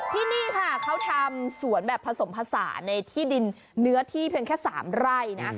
ที่นี่ค่ะเขาทำสวนแบบผสมภาษาในที่ดินเนื้อที่เพียงแค่๓ไร่นะ